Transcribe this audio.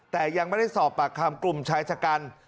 แต่ยังไม่ได้สอบปากคำกลุ่มชายชะกัน